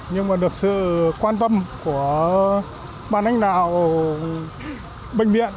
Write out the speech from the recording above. nhưng mà được sự quan tâm của ban đánh đạo bệnh viện